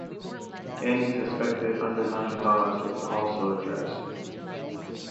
Any suspected underlying cause is also addressed.